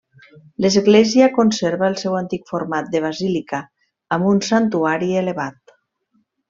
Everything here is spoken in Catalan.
L'església conserva el seu antic format de basílica, amb un santuari elevat.